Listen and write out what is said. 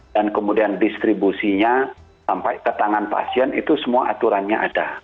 dan kemudian distribusinya sampai ke tangan pasien itu semua aturannya ada